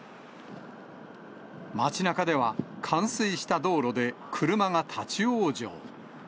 街なかでは、冠水した道路で車が立往生。